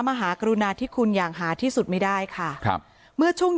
มหากรุณาธิคุณอย่างหาที่สุดไม่ได้ค่ะครับเมื่อช่วง